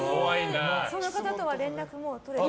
その方とは連絡はもう取れてない？